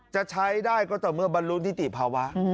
จะใช้ได้ก็ต่อเมื่อบัญรุณที่ตีภาวะ